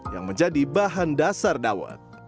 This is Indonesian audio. yang menjadi bahan dasar dawet